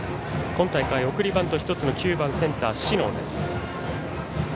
今大会、送りバント１つの９番センター、小竹です。